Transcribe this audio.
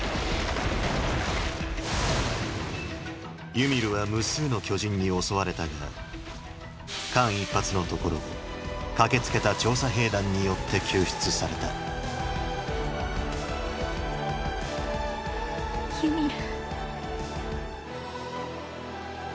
ユミルは無数の巨人に襲われたが間一髪のところを駆けつけた調査兵団によって救出されたユミル。